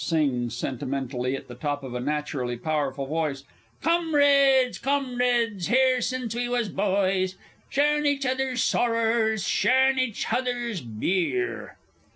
(Sings, sentimentally, at the top of a naturally powerful voice.) "Comrides, Comrides! Hever since we was boys! Sharin' each other's sorrers. Sharin' each hother's beer!"